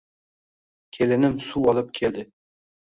Kelinim suv olib keldi